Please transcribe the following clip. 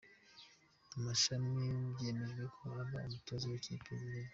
Mashami byemejwe ko aba umutoza w’ ikipe yigihugu